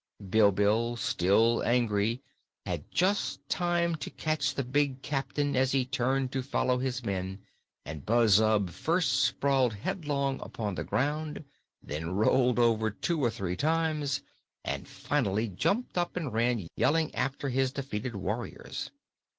Bilbil, still angry, had just time to catch the big captain as he turned to follow his men, and Buzzub first sprawled headlong upon the ground, then rolled over two or three times, and finally jumped up and ran yelling after his defeated warriors.